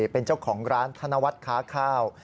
เป็นเจ้าของร้านธนวัฒน์ค้าข้าว